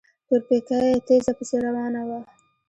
تورپيکۍ تېزه پسې روانه وه.